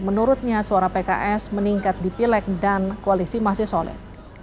menurutnya suara pks meningkat di pileg dan koalisi masih solid